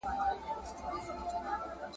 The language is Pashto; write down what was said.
ایا بهرني سوداګر وچه الوچه پلوري؟